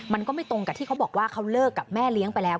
มันก็ไม่ตรงกับที่เขาบอกว่าเขาเลิกกับแม่เลี้ยงไปแล้ว